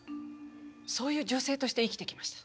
そういう女性として生きてきました。